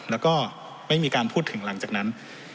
แล้วก็ไม่มีการพูดถึงหลังจากนั้น